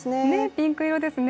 ピンク色ですね。